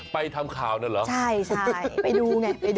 ไปทำข่าวนั่นเหรอใช่ใช่ไปดูไงไปดู